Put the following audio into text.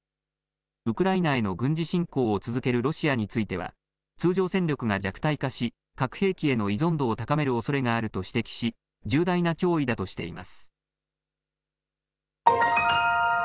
ウクライナへの軍事侵攻を続けるロシアについては通常戦力が弱体化し核兵器への依存度を高めるおそれがあると指摘し重大な脅威だとしています。